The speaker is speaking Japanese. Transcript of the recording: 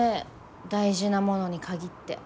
大事なものに限って。